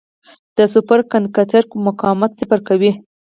د سوپر کنډکټر مقاومت صفر کوي.